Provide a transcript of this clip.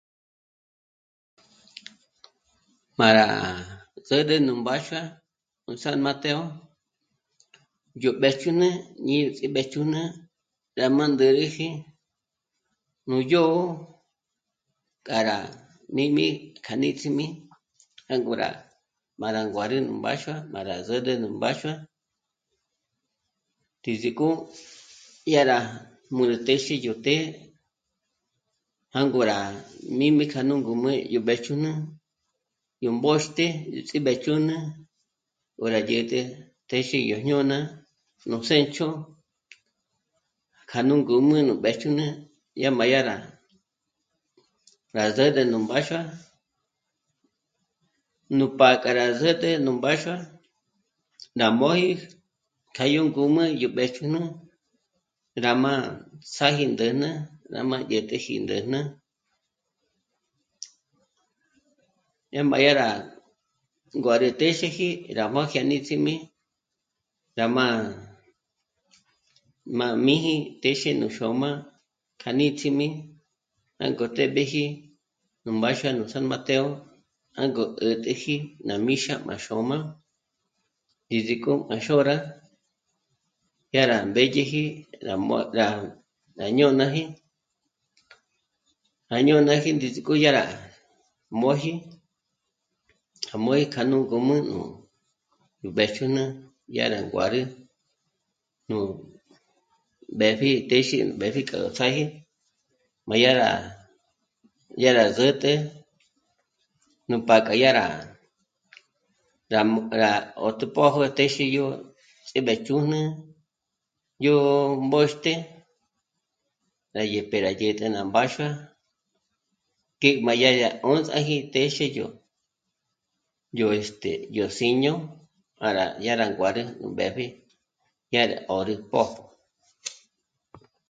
Má rá tsǚrü nú mbáxua nú San Mateo, yó mbéjchüjn'e ñé ts'í mbéjchüjn'e rá mándéreji nú dyó'o k'a rá míjmi kja níts'imi jângo rá má rá nguárü nú mbáxua, má rá zǜrü nú mbáxua tízi'k'o yá rá môru téxi yó të́'ë jângo rá míjmi kja nú ngûmü yó mbéjchüjn'e yó mbôxte yó ts'íbéjchüjn'e k'o rá dyä̀t'ä téxi yó jñôna, nú sénch'o kja nú ngǔm'ü nú mbéjchüjn'e dyá má yá rá... rá zǜrü nú mbáxua nú pá'a k'a rá s'ä̀t'ä nú mbáxua ná móji kja yó ngǔm'ü yó mbéjchüjn'e rá má... ts'a´ji ndä̂jnä, rá ma dyä̀t'äji yó ndä̂jnä, yá má yá rá... nguárü téxeji rá má jyanéts'ejmi, yá má... m'ī́jī téxe nú xôm'a k'a níts'imi jângo té'b'éji nú mbáxua nú San Mateo jângo 'ä̀t'äji ná míxa má xôm'a ndízik'o à xôra... yá rá mbédyeji rá... ná jñônaji, ná jñônaji ndízik'o dyá rá m'óji, rá m'óji k'a nú ngum'ü nú mbéjchüjn'e yá rá nguárü nú b'épji téxe, b'épji k'o nú ts'áji má yá rá... yá rá s'ä̀t'ä nú pá'k'a yá rá... rá ö́t'ü pjójo ná téxi yó ts'índájchün'e yó mbôxte yá rá dyä̀t'ä ná mbáxua ngé má yá rá 'ö̀zaji téxe yó este... yó s'íño para dyá rá nguárü nú b'épji yá 'ä̀rä pjópjü